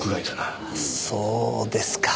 あそうですか。